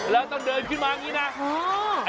แล้วต้องเดินขึ้นมาอย่างนี้นะ